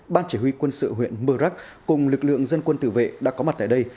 ban chỉ huy quân sự huyện mờ rắc cùng lực lượng dân quân tự vệ đã có mặt tại đây